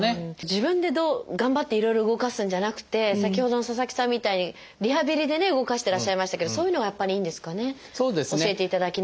自分で頑張っていろいろ動かすんじゃなくて先ほどの佐々木さんみたいにリハビリで動かしてらっしゃいましたけどそういうのがやっぱりいいんですかね教えていただきながら。